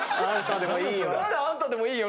「あんたでもいいよ」